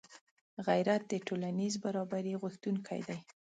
غیرت د ټولنیز برابري غوښتونکی دی